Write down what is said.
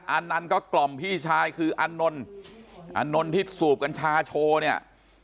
อันนั้นก็กล่อมพี่ชายคืออานนท์อันนนท์ที่สูบกัญชาโชว์เนี่ย